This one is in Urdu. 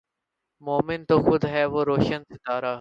مومن تو خود ھے وہ روشن ستارا